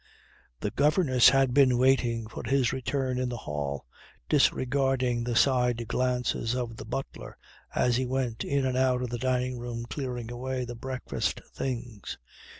The governess had been waiting for his return in the hall, disregarding the side glances of the butler as he went in and out of the dining room clearing away the breakfast things.